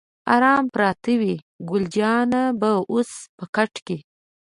آرام پراته وای، ګل جانه به اوس په کټ کې.